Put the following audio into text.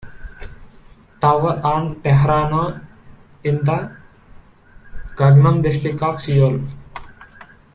Tower on Teheranno in the Gangnam district of Seoul.